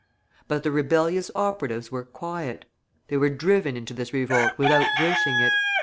But the rebellious operatives were quiet. They were driven into this revolt without wishing it.